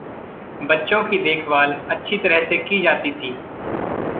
बच्चों की देखभाल अच्छी तरह से की जाती थी।